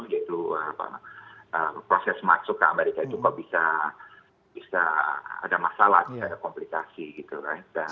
yaitu proses masuk ke amerika itu kok bisa ada masalah bisa ada komplikasi gitu kan